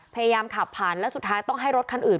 พยายามขับผ่านแล้วสุดท้ายต้องให้รถคันอื่น